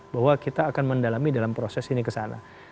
bahwa kita akan mendalami dalam proses ini ke sana